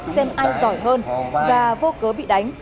xem ai giỏi hơn và vô cớ bị đánh